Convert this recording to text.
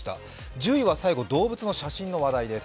１０位は最後、動物の写真の話題です